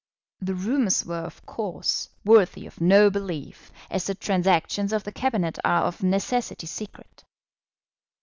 The rumours were, of course, worthy of no belief, as the transactions of the Cabinet are of necessity secret.